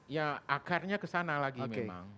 ya akarnya ke sana lagi memang